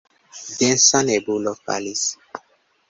Densa nebulo falis.